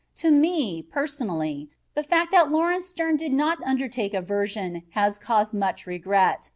To me, personally, the fact that Laurence Sterne did not undertake a version, has caused much regret.